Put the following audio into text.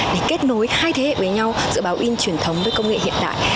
để kết nối hai thế hệ với nhau giữa báo in truyền thống với công nghệ hiện đại